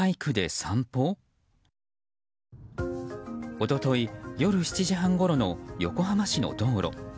一昨日夜７時半ごろの横浜市の道路。